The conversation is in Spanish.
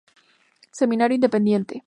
Semanario independiente.